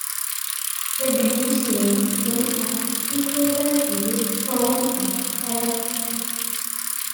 The Danish name, when applicable, is shown in parentheses.